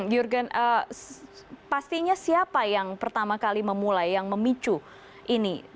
jurgen pastinya siapa yang pertama kali memulai yang memicu ini